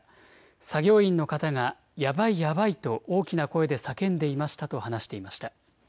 作業員の方がやばいやばいと大きな声で叫んでいましたと話していました。